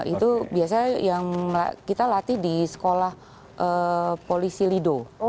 itu biasa yang kita latih di sekolah polisi lido